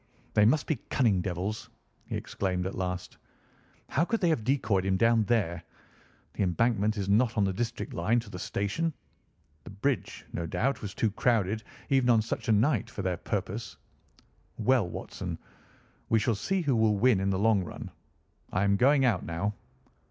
"They must be cunning devils," he exclaimed at last. "How could they have decoyed him down there? The Embankment is not on the direct line to the station. The bridge, no doubt, was too crowded, even on such a night, for their purpose. Well, Watson, we shall see who will win in the long run. I am going out now!"